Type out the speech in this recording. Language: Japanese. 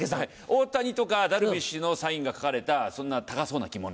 大谷とかダルビッシュのサインが書かれたそんな高そうな着物。